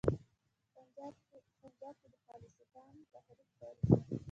په پنجاب کې د خالصتان تحریک پیل شو.